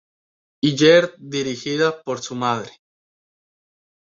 Iyer" dirigida por su madre.